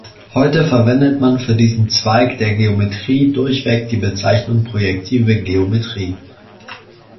Heute verwendet man für diesen Zweig der Geometrie durchweg die Bezeichnung Projektive Geometrie.